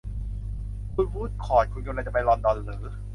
คุณวูดคอร์ต คุณกำลังจะไปลอนดอนหรือ ?